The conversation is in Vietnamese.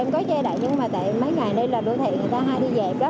em có chế đại nhưng mà tại mấy ngày đây là đôi thị người ta hay đi dẹp đó